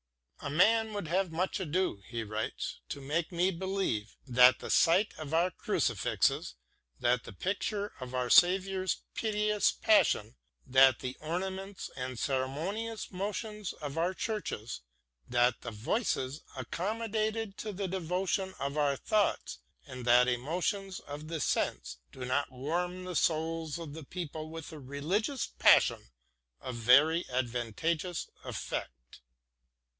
" A man would have much ado," he writes, " to make me believe that the sight of our crucifixes, that the picture of our Saviour's piteous passion, that the ornaments and ceremonious motions of our churches, that the voices accommodated to the devotion of our thoughts, and that emotions of 228 BROWNING AND MONTAIGNE the senses do not warm the souls of the people with a religious passion of very advantageous effect."